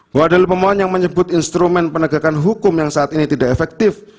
bahwa pemohon yang menyebut instrumen penegakan hukum yang saat ini tidak efektif